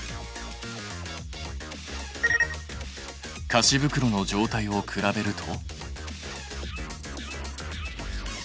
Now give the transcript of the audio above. かしぶくろの状態を比べると？